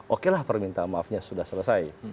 oke lah permintaan maafnya sudah selesai